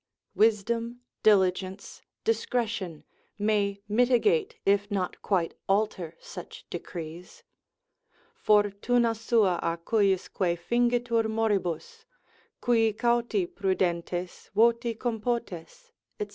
wisdom, diligence, discretion, may mitigate if not quite alter such decrees, Fortuna sua a cujusque fingitur moribus, Qui cauti, prudentes, voti compotes, &c.